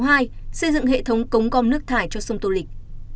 xây dựng hệ thống cống gom nước thải cho sông tô lịch